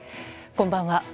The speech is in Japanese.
こんばんは。